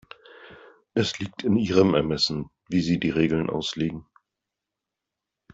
Es liegt in Ihrem Ermessen, wie Sie die Regeln auslegen.